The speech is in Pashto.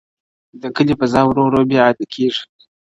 د کلي فضا ورو ورو بيا عادي کيږي,